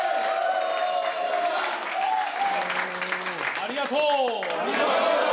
ありがとう。